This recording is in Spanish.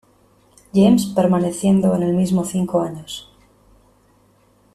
James, permaneciendo en el mismo cinco años.